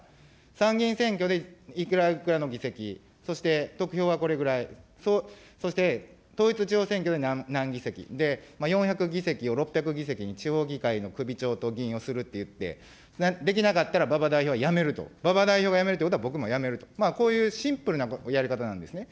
参議院選挙でいくらいくらの議席、そして得票がこれくらい、そして統一地方選挙で何議席、４００議席を６００議席に地方議会の首長と議員をするって言って、できなかったら馬場代表は辞めると、馬場代表が辞めるということは僕も辞めると、こういうシンプルなやり方なんですね。